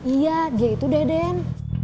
iya dia itu deh den